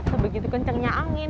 sebegitu kencangnya angin